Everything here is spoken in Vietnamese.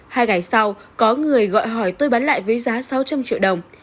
hai ngày sau có người gọi hỏi tôi bán lại với giá sáu trăm linh triệu đồng